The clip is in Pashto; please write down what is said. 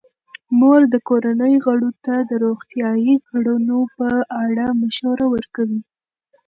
مور د کورنۍ غړو ته د روغتیايي کړنو په اړه مشوره ورکوي.